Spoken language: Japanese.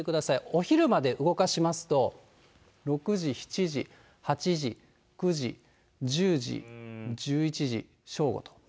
お昼まで動かしますと、６時、７時、８時、９時、１０時、１１時、正午と。